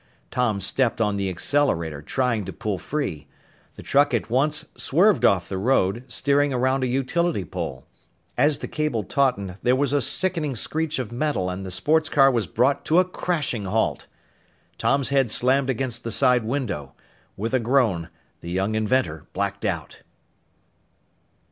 Tom stepped on the accelerator, trying to pull free. The truck at once swerved off the road, steering around a utility pole. As the cable tautened, there was a sickening screech of metal and the sports car was brought to a crashing halt! Tom's head slammed against the side window. With a groan, the young inventor blacked out.